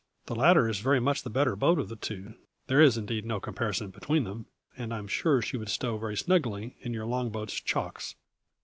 The latter is very much the better boat of the two there is indeed no comparison between them and I am sure she would stow very snugly in your long boat's chocks."